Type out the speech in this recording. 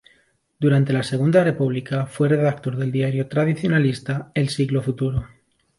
Durante la Segunda República fue redactor del diario tradicionalista "El Siglo Futuro".